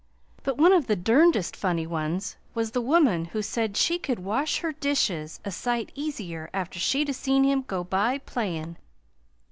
But one of the derndest funny ones was the woman who said she could wash her dishes a sight easier after she'd a seen him go by playin'.